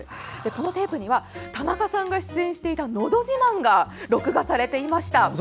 このテープには田中さんが出演していた「のど自慢」が録画されていました。